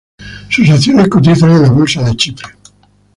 Sus acciones cotizan en la bolsa de Chipre.